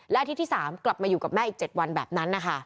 อาทิตย์ที่๓กลับมาอยู่กับแม่อีก๗วันแบบนั้นนะคะ